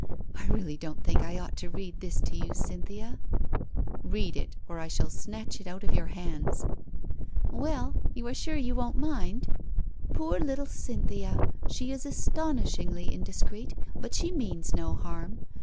...' I really don't think I ought to read this to you, Cynthia?" "Read it or I shall snatch it out of your hands." "Well, you are sure you won't mind? 'Poor little Cynthia, she is astonishingly indiscreet, but she means no harm.